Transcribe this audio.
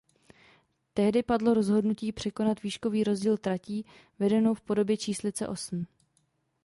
Tehdy padlo rozhodnutí překonat výškový rozdíl tratí vedenou v podobě číslice osm.